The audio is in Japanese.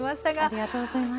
ありがとうございます。